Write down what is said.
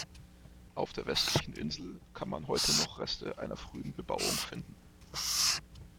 Auf der westlichen Insel kann man heute noch Reste einer früheren Bebauung finden.